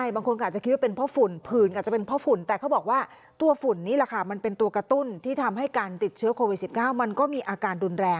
บางคนคิดว่าตาแดงเพราะฝุ่นหรือเปล่า